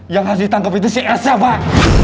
yang harus ditangkep itu si elsa pak